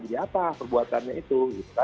jadi apa perbuatannya itu